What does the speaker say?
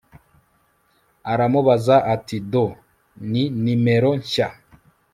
aramubaza ati doo ni nimero nshya